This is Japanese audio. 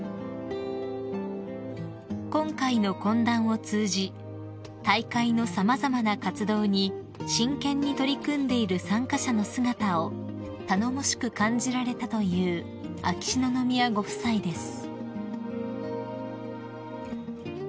［今回の懇談を通じ大会の様々な活動に真剣に取り組んでいる参加者の姿を頼もしく感じられたという秋篠宮ご夫妻です］